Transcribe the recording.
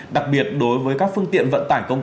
đặc biệt đối với các phương tiện vận tải công cộng